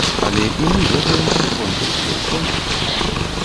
Але і мы ведаем, што конкурс ёсць конкурс.